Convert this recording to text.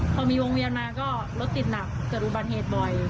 พอมีวงเวียนมาก็รถติดหนักเกิดอุบัติเหตุบ่อย